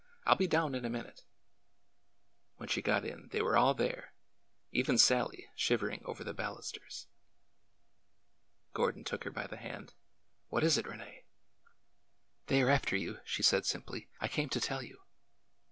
I 'll be down in a minute." When she got in they were all there, — even Sallie, shiv ering over the balusters. Gordon took her by the hand. What is it, Rene ?"'' They are after you," she said simply. I came to tell you."